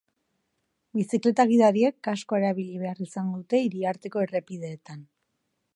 Bizikleta gidariek kaskoa erabili behar izango dute hiriarteko errepideetan.